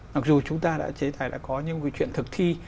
mặc dù chúng ta đã chế tài đã có những cái chuyện thực thi